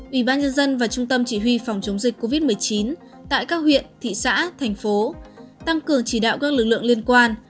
ủy ban nhân dân và trung tâm chỉ huy phòng chống dịch covid một mươi chín tại các huyện thị xã thành phố tăng cường chỉ đạo các lực lượng liên quan